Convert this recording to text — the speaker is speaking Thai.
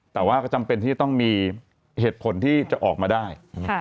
แต่ว่าก็จำเป็นที่จะต้องมีเหตุผลที่จะออกมาได้